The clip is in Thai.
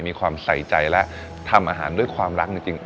มีความใส่ใจและทำอาหารด้วยความรักจริง